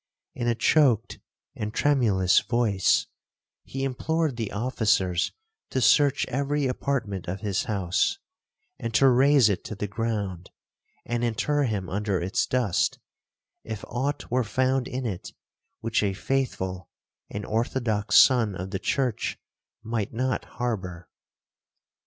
In a choaked and tremulous voice, he implored the officers to search every apartment of his house, and to raze it to the ground, and inter him under its dust, if aught were found in it which a faithful and orthodox son of the church might not harbour.